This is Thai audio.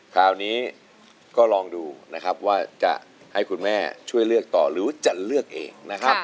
คราวนี้ก็ลองดูนะครับว่าจะให้คุณแม่ช่วยเลือกต่อหรือจะเลือกเองนะครับ